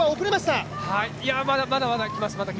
まだまだきます。